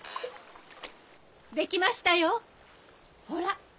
出来ましたよほら。